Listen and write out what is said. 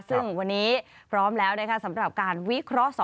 ซึ่งวันนี้พร้อมแล้วนะคะสำหรับการวิเคราะห์๒